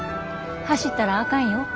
走ったらあかんよ。